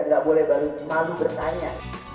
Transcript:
tidak boleh baru malu bertanya